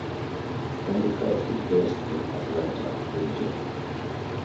Combichrist is based in Atlanta, Georgia.